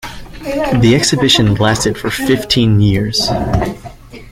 The exhibition lasted for fifteen years.